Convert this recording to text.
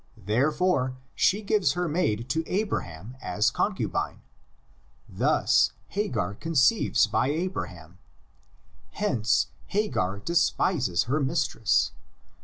Therefore she gives her maid to Abraham as con cubine. Thus Hagar conceives by Abraham. Hence Hagar despises her mistress.